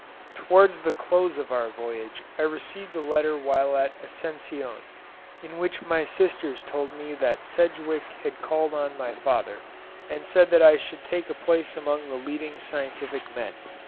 Towards the close of our voyage I received a letter whilst at Ascension, in which my sisters told me that Sedgwick had called on my father, and said that I should take a place among the leading scientific men.